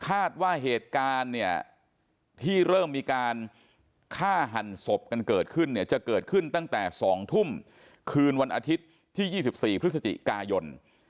คาดว่าเหตุการณ์เนี่ยที่เริ่มมีการฆ่าหันศพกันเกิดขึ้นเนี่ยจะเกิดขึ้นตั้งแต่๒ทุ่มคืนวันอาทิตย์ที่๒๔พฤศจิกายน